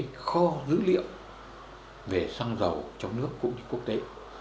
có được một kho dữ liệu về xăng dầu trong nước cũng như quốc tế